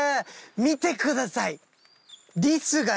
見てください！